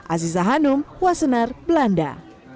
aziza hanum kuasenar belanda